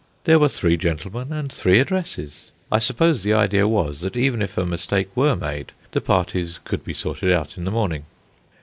There were three gentlemen and three addresses. I suppose the idea was that even if a mistake were made, the parties could be sorted out in the morning.